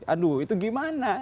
aduh itu gimana